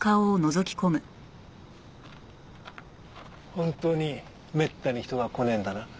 本当にめったに人が来ねえんだな？